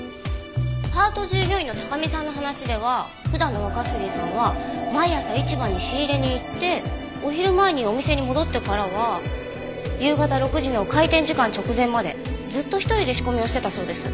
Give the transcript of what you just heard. パート従業員の高見さんの話では普段の若杉さんは毎朝市場に仕入れに行ってお昼前にお店に戻ってからは夕方６時の開店時間直前までずっと一人で仕込みをしてたそうです。